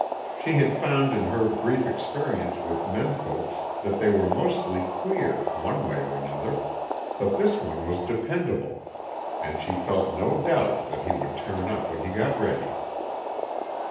She had found in her brief experience with menfolks that they were mostly queer, one way or another, but this one was dependable, and she felt no doubt that he would turn up when he got ready.